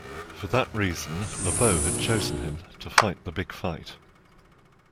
For that reason Le Beau had chosen him to fight the big fight.